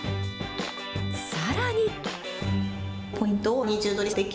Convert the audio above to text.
さらに。